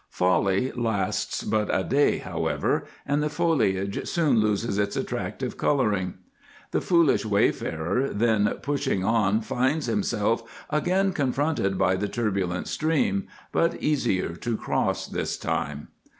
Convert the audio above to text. Folly lasts but a day, however, and the foliage soon loses its attractive coloring. The foolish wayfarer then pushing on finds himself again confronted by the turbulent stream, but easier to cross this time.